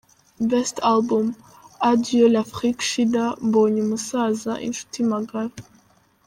Best Album: A Dieu l’afrique shida, Mbonye umusaza, Inshuti magara.